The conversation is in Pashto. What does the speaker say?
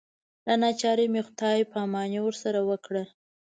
له ناچارۍ مې خدای پاماني ورسره وکړه.